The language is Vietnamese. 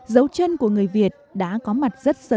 dấu chân của người việt đã có mặt